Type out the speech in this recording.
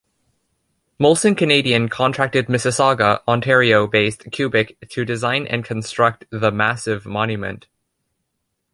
Molson Canadian contracted Mississauga, Ontario-based Kubik to design and construct the massive monument.